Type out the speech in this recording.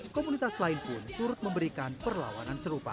komunitas lain pun turut memberikan perlawanan serupa